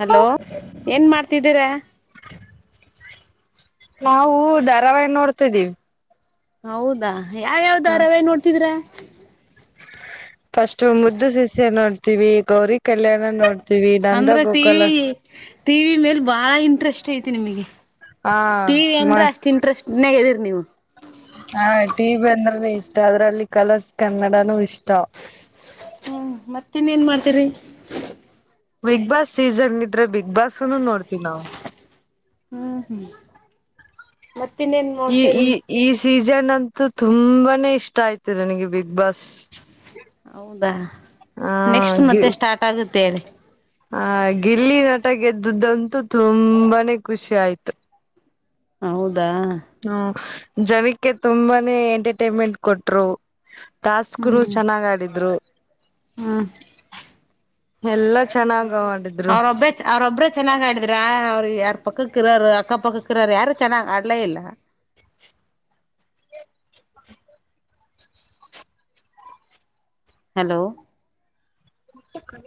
hello ಏನ್ ಮಾಡ್ತಿದ್ದೀರಾ ನಾವವು ಧಾರಾವಾಹಿ ನೋಡ್ತಿದೀವಿ ಹೌದಾ ಯಾವ್ಯಾವ್ದ ರವೆೇ ನೋಡ್ತಿದ್ರ ಫಸ್ಟ್ ಮುದ್ದು ಸಿಸ್ಯ ನೋಡ್ತಿವಿ ಗೌರಿ ಕಲ್ಯಾಣ ನೋಡ್ತಿವಿ ನಂದ ಅಂದ್ರ ಗೋಕಲ ಟಿವಿ ಟಿವಿ ಮೇಲೆ ಬಹಳ ಇಂಟ್ರೆಸ್ಟ್ ಐತಿ ನಿಮಗೆ ಹಾ ಟಿ ಮ ಅಂದ್ರೆ ಅಷ್ಟ್ ಇಂಟ್ರೆಸ್ಟ್ ನಿನ್ನದಿರಿ ನೀವು ಹಾ ಟಿ ವಿ ಅಂದ್ರ ಇಷ್ಟ ಅದ್ರಲ್ಲಿ ಕಲರ್ಸ್ ಕನ್ನಡಾನೂ ಇಷ್ಟ ಹ್ಮ್ ಮತ್ತ ಇನ್ ಏನ್ ಮಾಡ್ತೀರಿ ಬಿಗ್ ಬಾಸ್ ಸೀಸನ್ ಇದ್ರೆ ಬಿಗ್ ಬಾಸ್ನು ನೋಡ್ತಿವಿ ನಾವವು ಹ್ಮ್ ಹ್ಮ್ ಮತ್ತಿನ್ನೇನ್ ಈ ಈ ನೋಡ್ತೀರಿ ಈ ಸೀಸನ್ ಅ ತುಂಬಾನೇ ಇಷ್ಟ ಆಯ್ತ ನನಗೆ ಬಿಗ್ ಬಾಸ್ ಹೌದಾ ಹ ನೆಕ್ಸ್ಟ್ ಮತ್ತೆ ಸ್ಟಾರ್ಟ್ ಆಗುತ್ತೆೇಳಿ ಆ ಗಿಲ್ಲಿ ನಟ ಗೆದ್ದ್ದಂತೂ ತುಂಬಾನೇ ಖುಷಿ ಆಯ್ತು ಹಾ ಹೌದು ಹ್ಮ ಜನಕ್ಕೆ ತುಂಬಾನೇ ಎಂಟರ್ಟೈನ್ಮೆಂಟ್ ಕೊಟ್ರು ಟಾಸ್ಕ್ನು ಹ್ಮ್ ಚೆನ್ನಾಗ್ ಆಡಿದ್ರು ಹ್ಮ್ ಎಲ್ಲಾ ಚೆನ್ನಾಗ ಮಾಡಿದ್ರು ಅವ್ರೊಬ್ ಅವ್ರೊಬ್ಬ್ರ ಚೆನ್ನಾಗ ಆಡಿದ್ರ ಯಾರ ಪಕ್ಕಕ್ಕ ಇರೋರು ಅಕ್ಕ ಪಕ್ಕಕ್ಕ ಇರೋರು ಯಾರು ಚೆನ್ನಾಗ್ ಆಡ್ಲೇ ಇಲ್ಲ ಹಲೋ ಮತ್ತ ಕಲ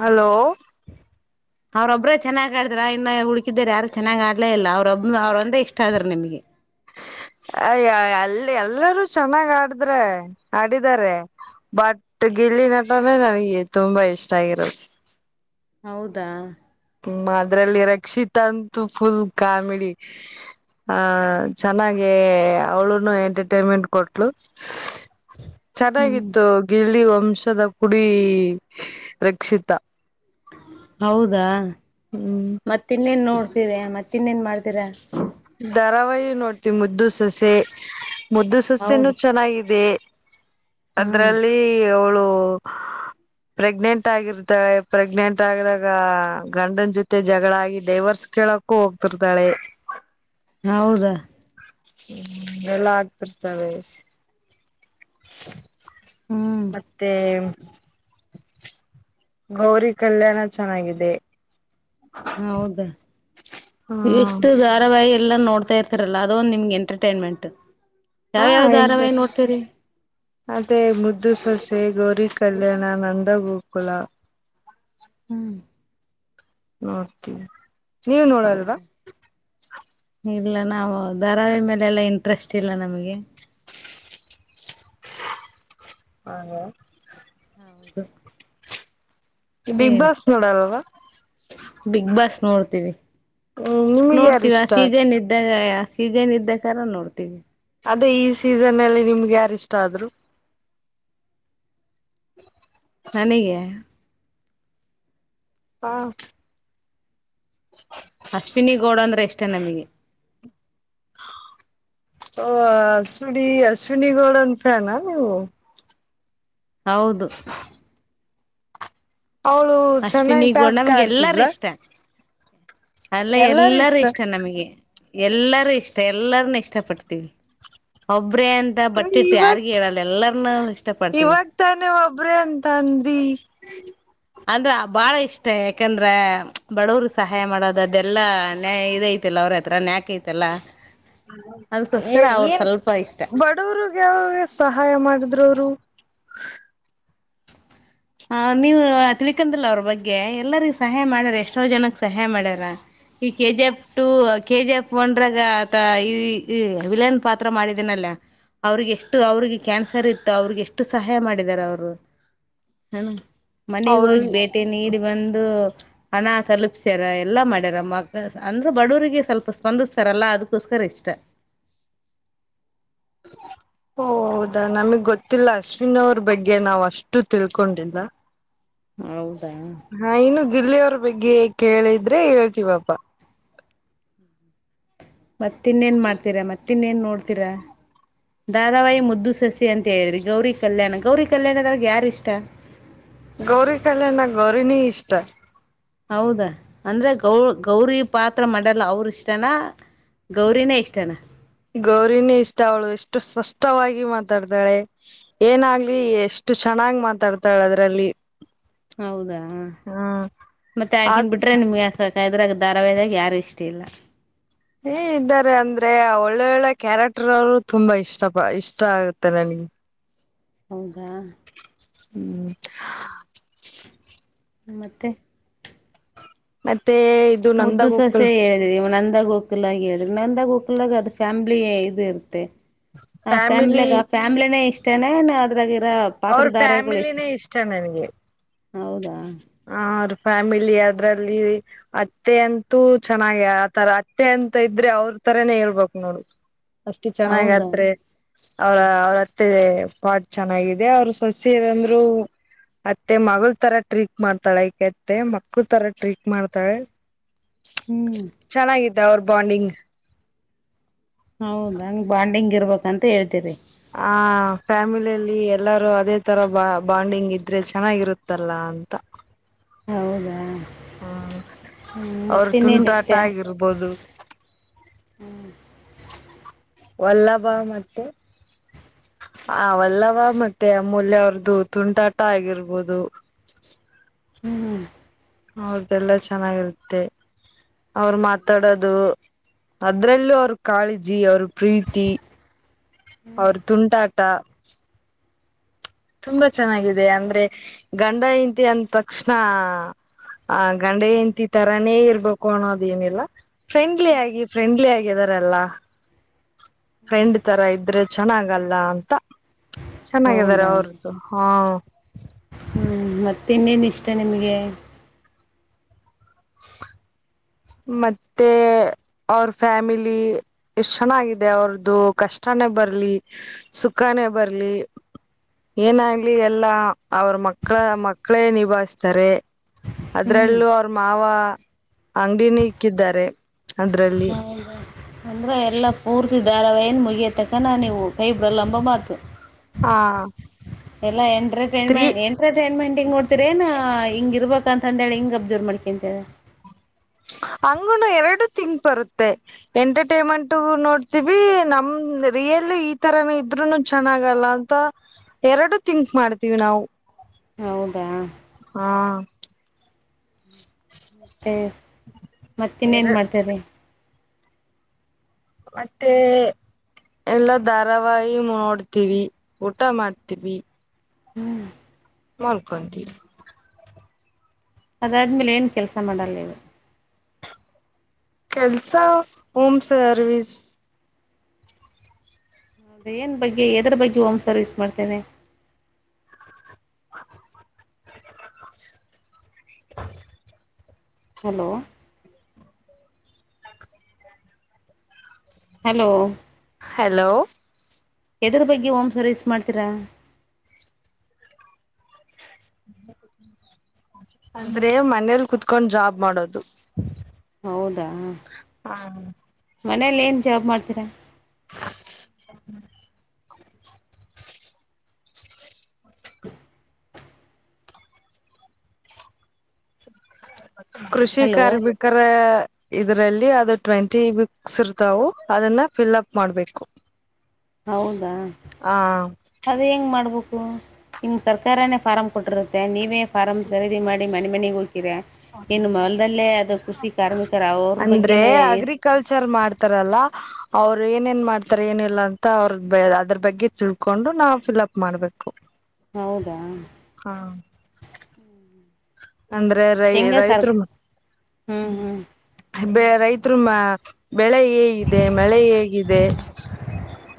ಹಲೋ ಅವ್ರೊಬ್ ಚೆನ್ನಾಗ್ ಆದ್ರ ಇನ್ನು ಹುಡುಕಿದಾರ ಯಾರು ಚೆನ್ನಾಗ್ ಆಡ್ಲೇ ಇಲ್ಲ ಅವ್ರೊಬ್ ಅವ್ರಂದೇ ಇಷ್ಟ ಆದ್ರರು ನಿಮ್ಗೆ ಅಯ ಅಲ್ಲಿ ಎಲ್ಲರೂ ಚೆನ್ನಾಗ್ ಆಡಿದ್ರ ಆಡಿದಿದ್ದಾರೆ ಬಟ್ ಗಿಲ್ಲಿ ನಟ್ರೆ ನನಗೆ ತುಂಬಾ ಇಷ್ಟ ಆಗಿರದು ಹೌದಾ ಹ್ಮ ಅದ್ರಲ್ಲಿ ರಕ್ಷಿತ ಅಂತು ಫುಲ್ ಕಾಮಿಡಿ ಹ ಚೆನ್ನಾಗೆ ಅವಳುನು ಎಂಟರ್ಟೈನ್ಮೆಂಟ್ ಕೊಟ್ಲು ಹ್ಮ್ ಚೆನ್ನಾಗಿತ್ತು ಗಿಳಿ ವಂಶದ ಕುಡಿ ರಕ್ಷಿತ ಹೌದಾ ಹ್ಮ್ ಮತ್ತ ಇನ್ನೇನ್ ನೋಡ್ತಿದೆ ಮತ್ತೆ ತಿನ್ನೇನ್ ಮಾಡ್ತೀರಾ ಧಾರಾವಹು ನೋಡ್ತಿವಿ ಮುದ್ದು ಸಸೆ ಮುದ್ದು ಸೊಸೆನೂ ಹೌದು ಚೆನ್ನಾಗಿದೆ ಹ್ಮ್ ಅದ್ರಲ್ಲಿ ಅವಳು ಪ್ರೆಗ್ನೆಂಟ್ ಆಗಿರ್ತವೆ ಪ್ರೆಗ್ನೆಂಟ್ ಆಗಿದಾಗ ಗಂಡನ್ ಜೊತೆ ಜಗಳ ಆಗಿ ಡೈವರ್ಸ್ ಕೇಳಕ್ಕು ಹೋಗ್ತಿರ್ತಾಳೆ ಹೌದಾ ಹ್ಮ್ ಎಲ್ಲ ಆಗ್ತಿರ್ತವೆ ಹ್ಮ್ ಮತ್ತುತ್ತೆ ಗೌರಿ ಕಲ್ಯಾಣ ಚೆನ್ನಾಗಿದೆ ಹೌದಾ ಹ್ಮ ನೀಷ್ಟು ಧಾರಾವಾಹಿ ಎಲ್ಲ ನೋಡ್ತಾ ಇರ್ತಿರಲ್ಲ ಅದೊಂದು ನಿಮ್ಗೆ ಎಂಟರ್ಟೈನ್ಮೆಂಟ್ ಹಾ ಯಾವ್ಯಾವ್ದ ಆರಾಮಾಗಿ ನೋಡ್ತೀರಿ ಅದೇ ಮುದ್ದು ಸೊಸೆ ಗೌರಿ ಕಲ್ಯಾಣ ನಂದಗೋಕುಲ ಹ್ಮ್ ನಡ್ತೀ ನೀವ ನೋಡಲ್ವಾ ಹೌದಾ ಇಲ್ಲ ನಾವು ಧಾರಾವಿ ಮೇಲೆ ಎಲ್ಲಾ ಇಂಟ್ರೆಸ್ಟ್ ಇಲ್ಲ ನಮಗೆ ಹಾಗ ಹೌದು ಈ ಬಿಗ್ ಹೇಳಿ ಬಾಸ್ ನೋಡಲ್ಲ್ವಾ ಬಿಗ್ ಬಾಸ್ ನೋಡ್ತೀವಿ ಹ್ಮ್ ನಿಮ್ಗೆ ಯಾರ ನೋಡ್ತೀವಿ ಇಷ್ಟ ಸೀಜನ್ ಇದ್ದಾಗ ಸೀಜನ್ ಇದ್ದ ಕಾರ ನೋಡ್ತೀವಿ ಅದೇ ಈ ಸೀಸನ್ ಅಲ್ಲಿ ನಿಮ್ಗೆ ಯಾರ ಇಷ್ಟ ಆದ್ರು ಹ ನನಗೆ ಹಾ ಹ ಅಶ್ವಿನಿ ಗೌಡ ಅಂದ್ರೆ ಇಷ್ಟೇ ನಮಗೆ ಸು ಸುನಿ ಗೋಡನ್ ಫನ್ ನೀವು ಹೌದು ಅವಳು ಅಶ್ವಿನಿ ಚೆನ್ನಾಗ್ ಟಾಸ್ಕ್ ಗೋಣಮಗೆ ಎಲ್ಲಾರೂ ಆಡ್ತಿದ್ಲ ಇಷ್ಟ ಅಲ್ಲ ಎಲ್ಲಾರೂ ಇಷ್ಟ ನಮಗೆ ಎಲ್ಲಾರೂ ಇಷ್ಟ ಎಲ್ಲರನು ಇ ಇಷ್ಟಪಡ್ತೀವಿ ಒಬ್ಬ ಅಂತ ಬಟ್ಟಿಟ್ಟು ಇವಾಗ ಯಾರಿಗ ಹೇಳಲ್ಲ ಇಷ್ಟ ಪಡ್ತೀವಿ ಇವಾಗ ತಾನೆ ಒಬ್ರೇ ಅಂತ ಅಂದ ಹ್ಮ ಅಂದ್ರ ಬಾಳ ಇಷ್ಟ ಯಾಕಂದ್ರ ಬಡವ್ರ ಸಹಾಯ ಮಾಡೋದದೆಲ್ಲಾ ನ ಇದಐತಿಲ್ಲ ಅವ್ರ ಹತ್ರ ಯಾಕ ತ್ತಲ್ಲ ಏನ್ ಇಷ್ಟ ಬಡವರಿಗೆ ಸಹಾಯ ಮಾಡಿದ್ರು ಅವರು ಹ ನೀವ ತಿಳ್ಕೊಂಡಿಲ್ಲ ಅವ್ರ ಬಗ್ಗೆ ಎಲ್ಲರಿಗ ಸಹಾಯ ಮಾಡ್ಯಾರ ಎಷ್ಟೋ ಜನಕ್ ಸಹಾಯ ಮಾಡ್ಯಾರ ಈ K G F two K G F ಒನ್ಗ ಆತ ಈ ವಿಲನ್ ಪಾತ್ರ ಮಾಡಿದೇನಲ್ಲ ಅವ್ರಿಗೆ ಎಷ್ಟು ಅವ್ರಿಗೆ ಕ್ಯಾನ್ಸರ್ ಇತ್ತು ಅವ್ರಿಗೆ ಎಷ್ಟು ಸಹಾಯ ಮಾಡಿದಾರ ಅವರು ಹಣ ಮನೆಗ್ ಅವರು ಹೋಗಿ ಭೇಟಿ ನೀಡಿ ಬಂದು ಹಣ ತಲುಪ್ಸ್ಯಾರ ಎಲ್ಲಾ ಮಾಡ್ಯಾರ ಮ ಅಂದ್ರ ಬಡವರಿಗೆ ಸ್ವಲ್ಪ ಸ್ಪಂದಿಸ್ತಾರಲ್ಲಾ ಅದಕ್ಕೋಸ್ಕರ ಇಷ್ಟ [unintelligible] ಹ ಹೌದಾ ನಮಗ್ ಗೊತ್ತಿಲ್ಲ ಅಶ್ವಿನ ಅವ್ರ ಬಗ್ಗೆ ನಾವ್ ಅಷ್ಟು ತಿಳ್ಕೊಂಡಿಲ್ಲ ಹೌದಾ ಹಾ ಇನ್ನು ಗಿಲ್ಲಿ ಅವರು ಮಗ್ಗೆ ಕೇಳಿದ್ರೆ ಹೇಳ್ತೀವಪಾ ಮತ್ತ ಇನ್ನೇನ್ ಮಾಡ್ತೀರಾ ಮತ್ತ ಇನ್ನೇನ್ ನೋಡ್ತೀರಾ ದಾದಾವಾಯಿ ಮುದ್ದು ಸಸಿ ಅಂತ ಹೇಳಿದ್ರಿ ಗೌರಿ ಕಲ್ಯಾಣ ಗೌರಿ ಕಲ್ಯಾಣದ್ರಾಗ ಯಾರ ಇಷ್ಟ ಗೌರಿ ಕಲೆನ ಗೌರಿನಿ ಇಷ್ಟ ಹೌದಾ ಅಂದ್ರೆ ಗೌ ರಿಗೌರಿ ಪಾತ್ರ ಮಾಡಲ್ಲ ಅವ್ರ ಇಷ್ಟನ ಗೌರಿನಿ ಇಷ್ಟ ಅವಳು ಎಷ್ಟು ಸ್ಪಷ್ಟ ಇಷ್ಟವಾಗಿ ಮಾತಾಡ್ತಾಳೆ ಏನಾಗ್ಲಿ ಎಷ್ಟು ಚೆನ್ನಾಗ್ ಮಾತಾಡ್ತಾಳೆ ಅದ್ರಲ್ಲಿ ಹೌದಾ ಹ್ಮ್ ಮತ್ತೆ ಯಾಕನ್ ಅದ್ ಬಿಟ್ರೆ ನಿಮ್ಗೆ ಯಾಕದ್ರಗುತ್ತ ಧಾರಾವಿದಾಗ ಯಾರು ಇಷ್ಟ ಇಲ್ಲ ಏ ಇದ್ದಾರೆ ಅಂದ್ರೆ ಆ ಒಳ್ಳೊಳ್ಳೆ ಕ್ಯಾರೆಕ್ಟರ್ ಅವರು ತುಂಬಾ ಇಷ್ಟ ಇಷ್ಟ ಆಗುತ್ತೆ ನನ್ಗೆ ಹ್ಮ ಹೌದ ಹ್ಮ್ ಮತ್ತೆ ಮತ್ತೆ ಇದು ಮುದ್ದು ಸೊಸೆ ನಂದಗೋಕಲ್ ಹೇಳಿದ್ರಿ ನಂದಾಗ ಹೋಗಕಲಾಗ ಹೇಳಿದ್ರಿ ನಂದಾಗ ಹೋಗಕಲಾಗ ಅದು ಫ್ಯಾಮ್ಲಿ ಇದು ಇರುತ್ತೆ ಆ ಫ್ಯಾಮಿಲಿ ಫ್ಯಾಮ್ಲಾಗ ಆ ಫ್ಯಾಮ್ಲಿನೇ ಇಷ್ಟನೆೇ ಅದ್ರಾಗ ಅ ಅವ್ರ ಪಾತ್ರಧಾರೆಗಳು ಎಷ್ಟು ಫ್ಯಾಮಿಲಿನೇ ಹೌದಾ ಹ್ರ ಫ್ಯಾಮಿಲಿ ಅದ್ರಲ್ಲಿ ಅತ್ತೆ ಅಂತೂ ಚೆನ್ನಾಗ ಆತರ ಅತ್ತೆ ಅ ತ ಇದ್ರೆ ಅವ್ರ ತರನೆೇ ಹೇಳ್ಬು ನೋಡು ಅಷ್ಟು ಹೌದಾ ಚೆನ್ನಾಗತ್ ಅವ್ರ ಅವ್ರತ್ತೆ ಪಾಟ್ ಚೆನ್ನಾಗಿದೆ ಅವ್ರ ಸೊಸೆರಂದ್ರು ಅತ್ತೆ ಮಲ್ ತರ ಟ್ರೀಕ್ ಮಾಡ್ತಾಳೆ ಐಕತ್ತೆ ಮಕ್ಳ ತರ ಟ್ರೀಕ್ ಮಾಡ್ತಾಳೆ ಹ್ಮ್ ಅವರ್ ಬಾಂಡಿಂಗ್ ಹೌದ ಹಂಗ್ ಬಾಂಡಿಂಗ್ ಇರ್ಬೇಕಂತ ಹೇಳ್ತರಿ ಆ ಫ್ಯಾಮಿಲಿಯಲ್ಲಿ ಎಲ್ಲಾರೂ ಅದೇ ತರ ಬಾ ಬಾಂಡಿಂಗ್ ಇದ್ರೆ ಚೆನ್ನಾಗಿರುತ್ತಲ್ಲ ಹಂತ ಹೌದಾ ಹ್ಮ ಅವ್ರ ಮತ್ತೆ ಮೇನು ತುಂಟಾಟ ಇಷ್ಟೆ ಆಗಿರ್ಬೋದು ಹ್ಮ್ ವಲ್ಲಭ ಮತ್ತೆ ಅವಲ್ಲವಾ ಮತ್ತೆ ಅಮೂಲ್ಯ ಅವ್ರದ್ದು ತುಂಟಾಟ ಆಗಿರ್ಬೋದು ಹ್ಮ್ ಅವ್ರದೆಲ್ಲ ಚೆನ್ನಾಗಿರುತ್ತೆ ಅವರು ಮಾತಾಡೋದು ಅದ್ರಲ್ಲೂ ಅವ್ರ ಕಾಳಜಿ ಅವ್ರ ಪ್ರೀತಿ ಅವ್ರ ತುಂಡಾಟ ತುಂಬಾ ಚೆನ್ನಾಗಿದೆ ಅಂದ್ರೆ ಗಂಡ ಇಂತಿ ಅಂದ ತಕ್ಷಣ ಆ ಗಂಡ ಎಂತಿ ತರಾನೇ ಇರ್ಬೇಕು ಅನ್ನೋದ ಏನಿಲ್ಲ ಫ್ರೆಂಡ್ಲಿ ಆಗಿ ಫ್ರೆಂಡ್ಲಿ ಆಗ ಲ್ಲ ಹ್ಞ ಫ್ರೆಂಡ್ ತರ ಇದ್ರೆ ಚೆನ್ನಾಗಲ್ಲ ಅಂತ ಚೆನ್ನಾಗಿದ್ದಾರೆ ಹೌದಾ ಅವ್ರದ್ದು ಹಾ ಹ್ಮ್ ಮತ್ತೆ ಇನ್ನೇನ್ ಇಷ್ಟ ನಿಮ್ಗೆ [unintelligible] ಮತ್ತೆ ಅವ್ರ ಫ್ಯಾಮಿಲಿ ಎಷ್ಟು ಚೆನ್ನಾಗಿದೆ ಅವ್ರ್ದು ಕಷ್ಟ ಬರ್ಲಿ ಸುಖಾನೇ ಬರ್ಲಿ ಏನಾಗ್ಲಿ ಎಲ್ಲಾ ಅವ್ರ ಮಕ್ಳ ಮಕ್ಕಳೇ ನಿಭಾಯಿಸ್ತಾರೆ ಹ್ಮ್ ಅದ್ರಲ್ಲೂ ಅವ್ರ ಮಾವ ಅಂಗಡಿನ ಇಕ್ಕಿದ್ದಾರೆ ಅದ್ರಲ್ಲಿ ಅಂದರೆೆ ಎಲ್ಲ ಪೂರ್ತಿ ಧಾರಾವಾಿಯನು ಮುಗಿಯತಕ್ಕ ನ ನೀವು ಪೈಪ್್ರ ಲಂಬ ಮಾತು ಆ ಎಲ್ಲ ತ್ರೀ ಎಂಟರ್ಟೈನ್ಟ್ ಎಂಟರ್ಟೈನ್ಮೆಂಟ ನ ಏನ್ ಹಿಂಗ ಇರ್ಬೇಕ ಅಂತ ಅಂದೇಳಿ ಹಿಂಗ್ ಅಬ್ಜೋರ್ ಮಾಡ್ಕೊಂತ ಹಂಗ ಎರಡು ತಿಂಗ್ ಬರುತ್ತೆ ಎಂಟರ್ಟೈನ್ಮೆಂಟ್ ನೋಡ್ತೀವಿ ನಮ ರಿಯಲ್ ಈ ತರಾನ ಇದ್ರುನು ಚೆನ್ನಾಗಲ್ಲ ಅಂತ ಎರಡು ತಿಥಿಂಕ್ ಮಾಡ್ತೀವಿ ನಾವು ಹೌದಾ ಹಾ ಮ ಮತ್ತ ಇನ್ನೇನು ಎರಡ್ ಮಾಡ್ತೇರೆ ಮತ್ತೆ ಎಲ್ಲಾ ಧಾರಾವಾಹಿ ನೋಡ್ತೀವಿ ಊಟ ಮಾಡ್ತೀವಿ ಹ್ಮ್ ಮಾಡಡ್ಕಂತೀ ಅದಾದ್ಮೇಲೆ ಏನ್ ಕೆಲ್ಸ ಮಾಡಲ್ಲ ನೀವ ಕೆಲ್ಸ ಹೋಮ್ ಸರ್ವಿಸ್ ಹೌದ ಏನ್ ಬಗ್ಗೆ ಎದ್ರ ಬಗ್ಗೆ ಹೋಮ್ ಸರ್ವಿಸ್ ಮಾಡ್ತೇನೆ [unintelligible] ಹಲೋ ಹಲೋ ಹಲೋ ಎದ್ರ ಬಗ್ಗೆ ಹಓಮ್ ಸರ್ವಿಸ್ ಮಾಡ್ತೀರಾ ಅಂದ್ರೆ ಮನೇಲಿ ಕುತ್ಕೊಂಡ್ ಜಾಬ್ ಮಾಡೋದು ಹೌದಾ ಹಾ ಮನೇಲಿ ಏನ್ ಜಾಬ್ ಮಾಡ್ತೀರಾ ರಿ ಕೃಷಿ ಹಲೋ ಕಾರ್ಮಿಕರ ಇದರಲ್ಲಿ ಅದು ಟ್ವೆಂಟಿ ಬುಕ್ಸ್ ಇರ್ತಾವು ಅದನ್ನ ಫಿಲ್ಅಪ್ ಮಾಡ್ಬೇಕು ಹೌದಾ ಆ ಅದ ಹೆಂಗ ಮಾಡ್ಬೇಕು ನಿಮ ಸರ್ಕಾರನೇ ಫಾರಂ ಕೊಟ್ಟಿರುತ್ತೆ ನೀವೇ ಫಾರ್ ಖರೀದಿ ಮಾಡಿ ಮನೆ ಮನೆಗೆ ಹುಕಿದೆ ಅವ್ರ ಅಂದ್ರೆ ಬಗ್ಗೆನೇ ಅಗ್ರಿಕಲ್ಚರ್ ಮಾಡ್ತಾರಲ್ಲ ಅವ್ರು ಏನೇನ್ ಮಾಡ್ತಾರೆ ಏನಿಲ್ಲ ಅಂತ ಅವ್ರ ಅದ್ರ ಬಗ್ಗೆ ತಿಳ್ಕೊಂಡು ನಾವವು ಫಿಲ್ಅಪ್ ಮಾಡ್ಬೇಕು ಹೌದಾ ಹಾ ಅಂದ್ರೆ ರೈ ರೈತರು ಮ ಹ್ಮ್ ಹ್ಮ್ ಬೆ ರೈತರು ಮಾ ಬೆಳೆ ಹೇಗಿದೆ ಮಳೆ ಹೇಗಿದೆ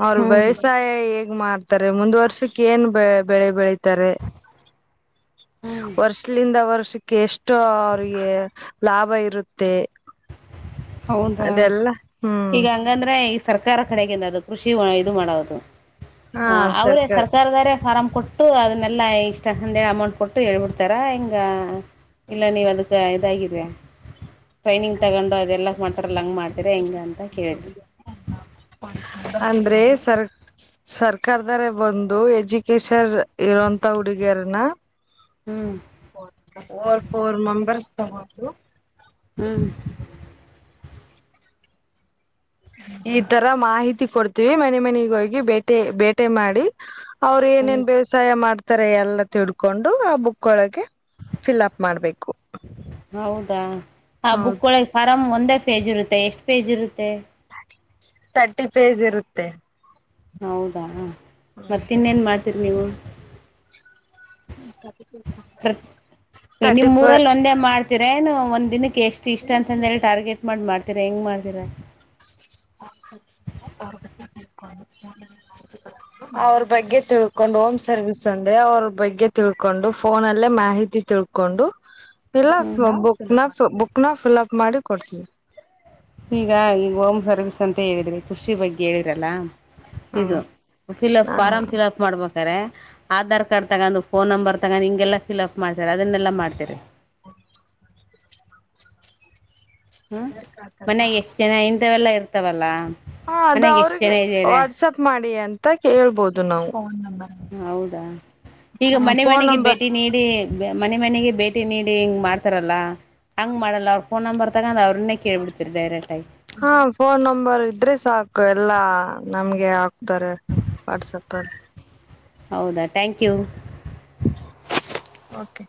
ಅವರು ಹ್ಞೂ ವ್ಯವಸಾಯ ಹೇಗ್ ಮಾಡ್ತಾರೆ ಮುಂದ್ ವರ್ಷಕ್ಕೆ ಏನ್ ಬೆ ಬೆಳೆ ಬೆಳತ ರೆ ಹ್ಞೂ ವರ್ಷ ಒಂದ ವರ್ಷಕ್ಕೆ ಎಷ್ಟೋ ಅವಿಗೆ ಲಾಭ ಇರುತ್ತೆ ಹೌದಾ ಅದೆಲ್ಲ ಹ್ಮ್ ಈಗ ಹಂಗಂದ್ರೆ ಈ ಸರ್ಕಾರ ಕಡೆಗಿಂದ ಅದು ಕೃಷಿ ಇದು ಮಾಡೋದು ಹಾ ಅವ್ರೇ ಸರ್ಕಾರದಾರ ಫಾರಂ ಕೊಟ್ಟು ಅದನ್ನೆಲ್ಲ ಇಷ್ಟ ಅಂದಿ ಅಮೌಂಟ್ ಕೊಟ್ಟು ಹೇಳ್ಬಿಡ್ತಾರ ಹಿಂಗ ಇಲ್ಲ ನೀವ್ ಅದಕ್ಕ ಇದಾಗ್ರ ಟ್ರೈನಿಂಗ್ ತಗೊಂಡು ಅದೆಲ್ಲ ಮಾಡ್ತಾರಲ್ಲ ಹಂಗ್ ಮಾಡ್ತೀರಾ ಹೆಂಗ ಅಂತ ಕೇಳಿದ್ವಿ ಅಂದ್ರೆ ಸರ್ ಸರ್ಕಾರದಾರ ಬಂದು ಎಜುಕೇಶನ್ ಇರೋಂತ ಹುಡುಗಿಯರನ ಹ್ಮ್ ಫೋರ್ ಮಂಬರ್ಸ್ ಹ್ಮ್ ಈ ತರ ಮಾಹಿತಿ ಕೊಡ್ತೀವಿ ಮನೆ ಮನೆಗ ಹೋಗಿ ಬೇಟೆ ಬೇಟೆ ಮಾಡಿ ಅವ್ರ ಹ್ಮ್ ಏನೇನ್ ವ್ಯವಸಾಯ ಮಾಡ್ತಾರೆ ಈ ತರ ಎಲ್ಲ ತಿಡ್ಕೊಂಡು ಆ ಬುಕ್ ಒಳಗೆ ಫಿಲ್ಅಪ್ ಮಾಡ್ಬೇಕು ಹೌದಾ ಆ ಹೌದು ಬುಕ್ ಒಳಗೆ ಫಾರಂಒಂದೇ ಪೇಜ್ ಇರುತ್ತೆ ಎಷ್ಟ್ ಪೇಜ್ ಇರುತ್ತೆ ತರ್ಟಿ ಪೇಜ್ ಇರುತ್ತೆ ಹೌದಾ ಮತ್ತನ್ನ ನ್ ಮಾಡ್ತೀರಿ ನೀವು ತರ್ಟಿ ಫೈ ನಿಮ್ರಲ್ಲಿ ಒಂದೇ ಮಾಡ್ತ ರನು ಒಂದ್ ದಿನಕ್ಕೆ ಎಷ್ಟು ಇಷ್ಟ ಅಂತಂದೇಳಿ ಟಾರ್ಗೆಟ್ ಮಾಡಿ ಮಾಡ್ತೀರಾ ಹೆಂಗ್ ಮಾಡ್ತೀರಾ ಹ ಅವ್ರ ಬಗ್ಗೆ ತಿಳ್ಕೊಂಡು ಹೋಮ್ ಸರ್ವಿಸ್ ಅಂದೆ ಅವ್ರ ಬಗ್ಗೆ ತಿ ತಿಳ್ಕೊಂಡು ಫೋನ ಅಲ್ಲೇ ಮಾಹಿತಿ ತಿಳ್ಕೊಂಡು ಇಲ್ಲ ಬುಕ್ ನ ಬುಕ್ ನ ಫಿಲ್ಅಪ್ ಮಾಡಿ ಕೊಡ್ತೀನಿ ಈಗ ಈಗ ಹೋಮ್ ಸರ್ವಿಸ್ ಅಂತ ಹೇಳಿದ್ರಿ ಖೃಷಿ ಬಗ್ಗೆ ಹೇಳಿರಲ್ಲ ಹ ಇದು ಫಿಲ್ಅಪ್ ಫಾರ್ಮ್ ಫಿಲ್ಅಪ್ ಮಾಡ್ಬೇಕು ಆಧಾರ್ ಕಾರ್ಡ್ ತಗೊಂಡು ಫೋನ್ ನಂಬರ್ ತಗೊಂಡ್ ಹಿಂಗೆಲ್ಲಾ ಫಲ್ ಅಪ್ ಮಾಡ್ತಾರೆ ಅದನ್ನೆಲ್ಲ ಮಾಡ್ತರಿ [unintelligible] ಹ್ಮ ಮನ್ಯಾಗ ಎಷ್ಟ್ ಜನ ಇಂದವೆಲ್ಲ ಇರ್ತವಲ್ಲಾ ಹಾ ಅದು ಅವ್ರಿಗೆ ವಾಟ್ಸಪ್ ಮಾಡಿ ಅಂತ ಕೇಳ್ಬೋದು ನಾವು ಹೌದಾ ಈಗ ಮನೆ ಫೋನ್ ಮನೆಗೆ ನಂಬರ್ ಭೇಟಿ ನೀಡಿ ಮನೆ ಮನೆಗೆ ಭೇಟಿ ನೀಡಿ ಹಿಂಗ್ ಮಾಡ್ತಾರಲ್ಲ ಹಂಗ ಮಾಡಲ್ಲ ಅವ್ರ ಫೋನ್ ನಂಬರ್ ತಗೊಂಡ್ ಅವರು ಹಾ ಫೋನ್ ನಂಬರ್ ಅಡ್ರೆಸ್ ಹಾಕ್ ಎಲ್ಲಾ ನಮ್ಗೆ ಹಾಕ್ತಾರೆ ವಾಟ್ಸಪ ಅಲ್ಲಿ ಹೌದಾ ಟ್ಯಾಂಕ್ ಯು ಓಕೆ